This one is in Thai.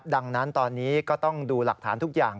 ดังนั้นตอนนี้ก็ต้องดูหลักฐานทุกอย่าง